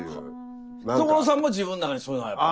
所さんも自分の中にそういうのはやっぱり。